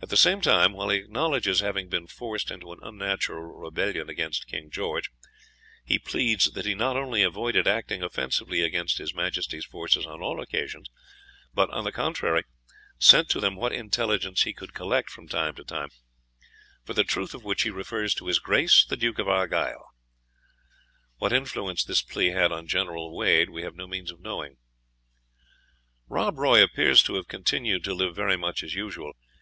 At the same time, while he acknowledges having been forced into an unnatural rebellion against King George, he pleads that he not only avoided acting offensively against his Majesty's forces on all occasions, but, on the contrary, sent to them what intelligence he could collect from time to time; for the truth of which he refers to his Grace the Duke of Argyle. What influence this plea had on General Wade, we have no means of knowing. Rob Roy appears to have continued to live very much as usual.